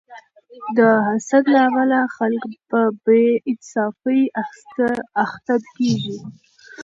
د حسد له امله خلک په بې انصافۍ اخته کیږي.